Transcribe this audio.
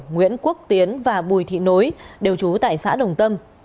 nguyễn quốc tiến và bùi thị nối đều trú tại xã đồng tâm